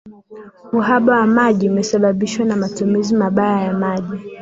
uhaba wa maji umesababishwa na matumizi mabaya ya maji